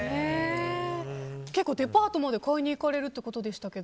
結構デパートまで買いに行かれるということでしたが。